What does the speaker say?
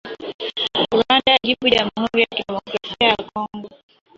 Rwanda yajibu Jamhuri ya kidemokrasia ya Kongo.